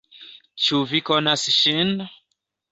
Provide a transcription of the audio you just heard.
Ĉu vi konas ŝin?